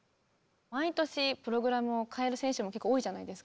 毎年プログラムをかえる選手も結構多いじゃないですか。